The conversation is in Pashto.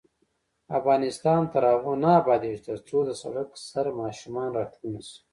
افغانستان تر هغو نه ابادیږي، ترڅو د سړک سر ماشومان راټول نشي.